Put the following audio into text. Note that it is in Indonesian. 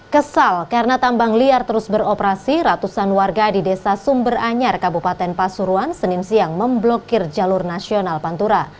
kesal karena tambang liar terus beroperasi ratusan warga di desa sumberanyar kabupaten pasuruan senin siang memblokir jalur nasional pantura